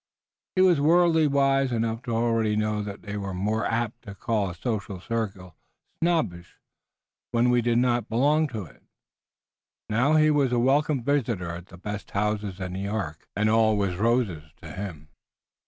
He was worldly wise enough already to know that we are more apt to call a social circle snobbish when we do not belong to it. Now, he was a welcome visitor at the best houses in New York, and all was rose to him.